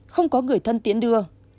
không có người thân tiến đưa